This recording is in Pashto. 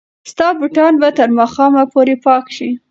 ستا بوټان به تر ماښامه پورې پاک شي.